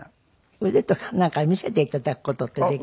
腕とかなんか見せて頂く事ってできる？